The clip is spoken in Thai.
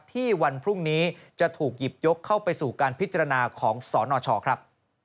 วันพรุ่งนี้จะถูกหยิบยกเข้าไปสู่การพิจารณาของสนชครับ